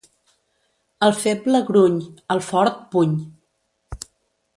El feble, gruny; el fort, puny.